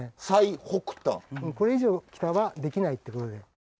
これ以上北はできないってことで。